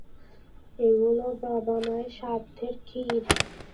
এগুলো বাবা-মায়ের শ্রাদ্ধের ক্ষীর?